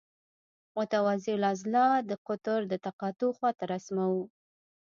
متوازی الاضلاع قطر د تقاطع خواته رسموو.